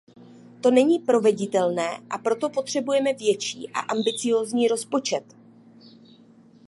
To není proveditelné, a proto potřebujeme větší a ambiciózní rozpočet.